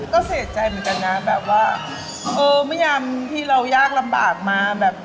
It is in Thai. ก็เสียใจเหมือนกันนะแบบว่าเออไม่ยำที่เรายากลำบากมาแบบ